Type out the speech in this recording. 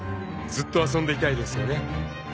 ［ずっと遊んでいたいですよね］